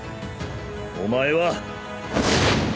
お前は。